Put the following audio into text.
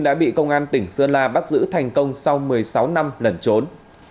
đã bị công an tỉnh sơn la bắt giữ thành công sau một mươi sáu năm lẩn trốn